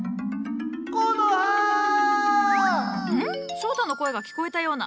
翔太の声が聞こえたような。